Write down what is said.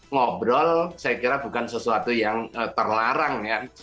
ngobrol saya kira bukan sesuatu yang terlarang ya